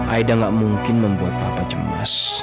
aida gak mungkin membuat papa cemas